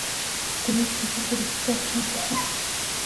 د کونړ په شیګل کې د ګچ نښې شته.